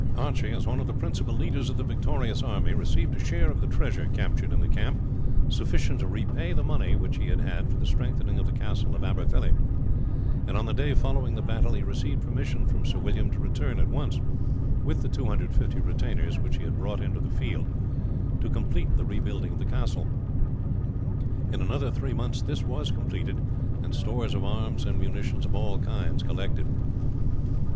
Archie, as one of the principal leaders of the victorious army, received a share of the treasure captured in the camp sufficient to repay the money which he had had for the strengthening of the Castle of Aberfilly, and on the day following the battle he received permission from Sir William to return at once, with the 250 retainers which he had brought into the field, to complete the rebuilding of the castle. In another three months this was completed, and stores of arms and munition of all kinds collected.